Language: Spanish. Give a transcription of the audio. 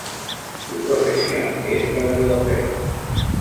Su profesión es la de relojero.